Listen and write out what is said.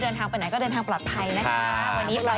เดินทางไปไหนก็เดินทางปลอดภัยนะคะ